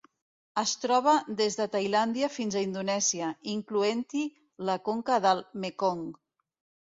Es troba des de Tailàndia fins a Indonèsia, incloent-hi la conca del Mekong.